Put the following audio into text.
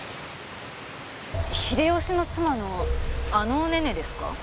秀吉の妻のあのねねですか？